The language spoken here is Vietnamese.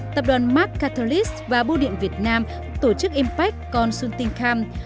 tập đoàn mark catalyst và bộ điện việt nam tổ chức impact consulting camp